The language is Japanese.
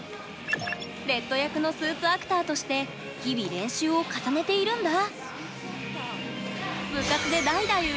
レッド役のスーツアクターとして日々、練習を重ねているんだ。